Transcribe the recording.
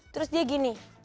terus dia gini